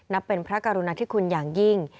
เป็นพระกรุณาธิคุณอย่างยิ่ง